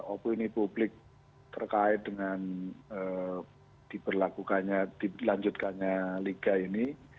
opo ini publik terkait dengan diberlakukannya dilanjutkannya liga ini